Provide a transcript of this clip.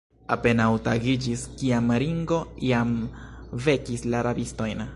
Apenaŭ tagiĝis, kiam Ringo jam vekis la rabistojn.